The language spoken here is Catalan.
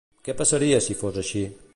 Què passaria si fos així?